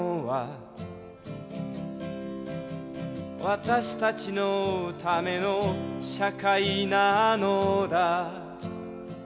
「私たちのための社会なのだ」